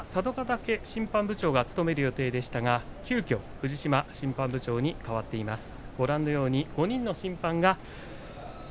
嶽審判部長が務める予定でしたが急きょ藤島審判部長に代わっています。